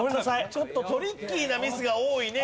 ちょっとトリッキーなミスが多いね